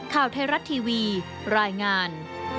ข่าวไทยรัฐทีวีรายงาน